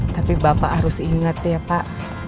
tapi bapak harus ingat ya pak